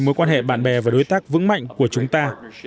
mối quan hệ bạn bè và đối tác vững mạnh của chúng ta